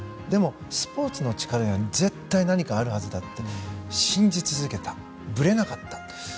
でも、スポーツの力は絶対何かあるはずだって信じ続けた、ぶれなかった。